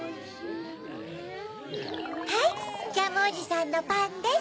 はいジャムおじさんのパンです。